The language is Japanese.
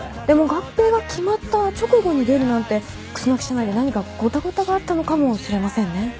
でも合併が決まった直後に出るなんてクスノキ社内で何かごたごたがあったのかもしれませんね。